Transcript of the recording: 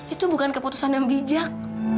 itu bukan keputusan yang bijak